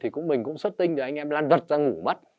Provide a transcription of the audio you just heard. thì mình cũng xuất tinh rồi anh em lan vật ra ngủ mất